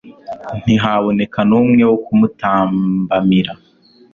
ntihaboneka n'umwe wo kumutambamira